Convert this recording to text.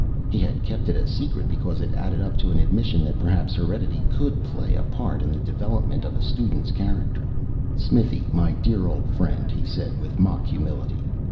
He had kept it a secret because it added up to an admission that perhaps heredity could play a part in the development of a student's character. "Smithy, my dear old friend," he said with mock humility.